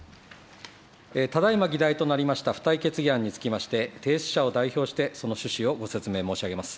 ただいま議題となりました付帯決議案につきまして、提出者を代表して、その趣旨をご説明申し上げます。